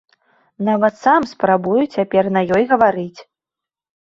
Нават сам спрабую цяпер на ёй гаварыць!